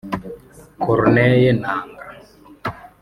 Corneille Nangaa